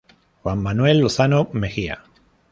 Juan Manuel Lozano Mejía""